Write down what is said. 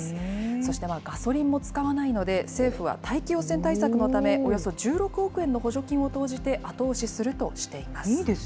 そしてガソリンも使わないので、政府は大気汚染対策のため、およそ１６億円の補助金を投じて後押しするとしています。